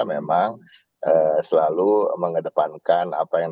memang selalu mengedepankan apa yang